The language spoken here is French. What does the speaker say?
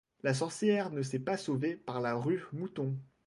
La sorcière ne s'est pas sauvée par la rue Mouton.